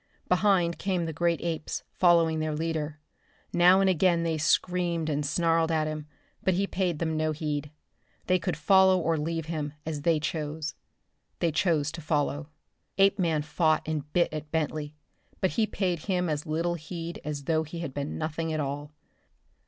Behind came the great apes, following their leader. Now and again they screamed and snarled at him, but he paid them no heed. They could follow or leave him, as they chose. They chose to follow. Apeman fought and bit at Bentley, but he paid him as little heed as though he had been nothing at all.